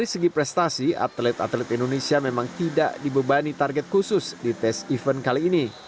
dari segi prestasi atlet atlet indonesia memang tidak dibebani target khusus di tes event kali ini